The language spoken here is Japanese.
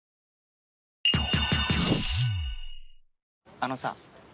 あのさ